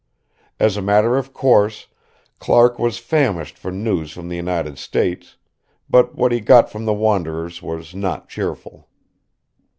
As a matter of course Clark was famished for news from the United States; but what he got from the wanderers was not cheerful.